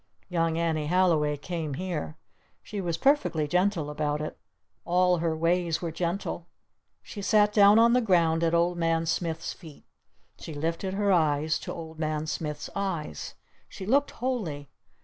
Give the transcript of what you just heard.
Young Annie Halliway came here. She was perfectly gentle about it. All her ways were gentle. She sat down on the ground at Old Man Smith's feet. She lifted her eyes to Old Man Smith's eyes. She looked holy.